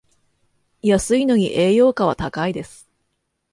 安いのに栄養価は高いです